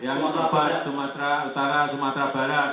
yang keempat sumatera utara sumatera barat